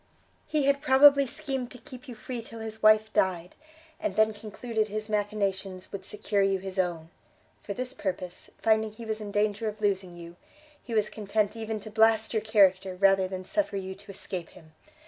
he had probably schemed to keep you free till his wife died, and then concluded his machinations would secure you his own. For this purpose, finding he was in danger of losing you, he was content even to blast your character, rather than suffer you to escape him!